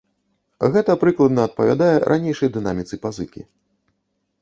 Гэта прыкладна адпавядае ранейшай дынаміцы пазыкі.